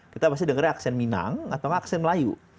kita pasti dengarnya aksen minang atau aksen melayu